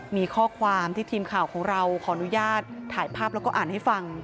มีข้อความที่ทีมข่าวของเราขออนุญาตถ่ายภาพแล้วก็อ่านให้ฟัง